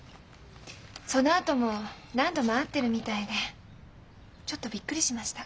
そのあとも何度も会ってるみたいでちょっとびっくりしました。